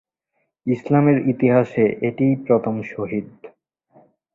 ইসলামের ইতিহাসে এটিই প্রথম শহীদ।